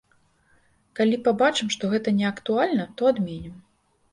Калі пабачым, што гэта неактуальна, то адменім.